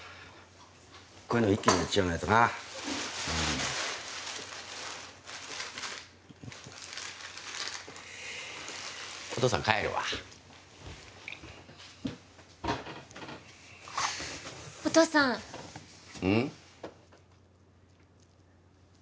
こういうのは一気にやっちゃわないとなうんお父さん帰るわお父さんうん？